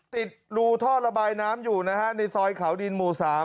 ติดรูท่อระบายน้ำอยู่นะฮะในซอยเขาดินหมู่๓